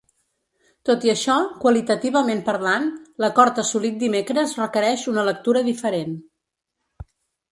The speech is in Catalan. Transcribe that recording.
Tot i això, qualitativament parlant, l’acord assolit dimecres requereix una lectura diferent.